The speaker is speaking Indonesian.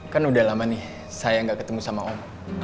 kan udah lama nih saya gak ketemu sama om